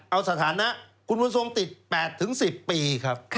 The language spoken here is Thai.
เอาสถานะคุณบุญทรงติด๘๑๐ปีครับ